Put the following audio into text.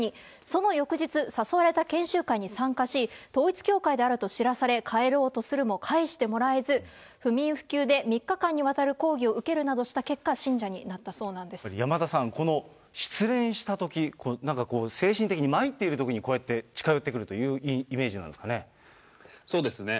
その翌日、誘われた研修会に参加し、統一教会であると知らされ、帰ろうとするも帰してもらえず、不眠不休で３日間にわたる講義を受けるなどした結果、信者になっ山田さん、この失恋したとき、なんかこう、精神的にまいっているときにこうやって近寄ってくるというイメーそうですね。